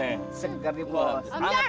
tarzan sudah berjalan bakar